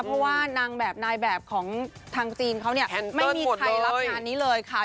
เพราะว่านางแบบนายแบบของทางจีนเขาเนี่ยไม่มีใครรับงานนี้เลยค่ะ